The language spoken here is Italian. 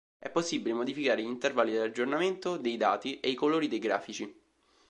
È possibile modificare gli intervalli di aggiornamento dei dati e i colori dei grafici.